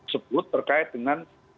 sebut terkait dengan